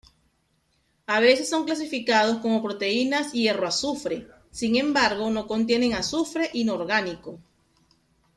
A veces son clasificadas como proteínas hierro-azufre, sin embargo no contienen azufre inorgánico.